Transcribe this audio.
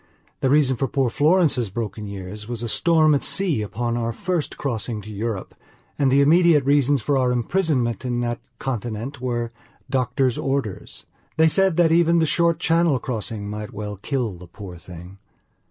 The reason for poor Florence's broken years was a storm at sea upon our first crossing to Europe, and the immediate reasons for our imprisonment in that continent were doctor's orders. They said that even the short Channel crossing might well kill the poor thing.